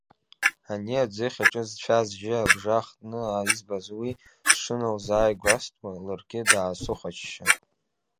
Ани аӡыхь аҿы зцәа-зжьы абжа хтны избаз уи сҽыналзааигәастәуа ларгьы даасыхәаччо…